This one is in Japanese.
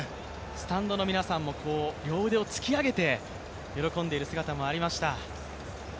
スタンドの皆さんも両腕を突き上げて喜んでいる姿もありました。